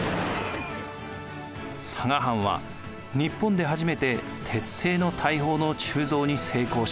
佐賀藩は日本で初めて鉄製の大砲の鋳造に成功します。